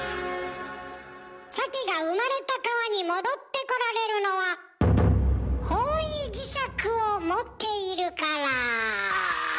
サケが生まれた川に戻ってこられるのは方位磁石を持っているから。